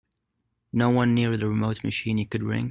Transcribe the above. No one near the remote machine you could ring?